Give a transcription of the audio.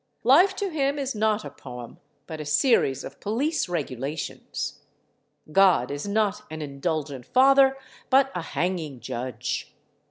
Life to him is not a poem, but a series of police regulations. God is not an indulgent father, but a hanging judge.